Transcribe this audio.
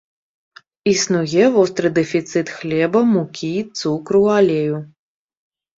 Існуе востры дэфіцыт хлеба, мукі, цукру, алею.